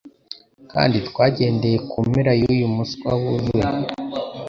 kandi twagendeye kumpera yuyu muswa wuzuye